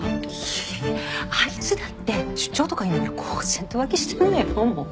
いやいやあいつだって出張とか言いながら公然と浮気してるのよどうも。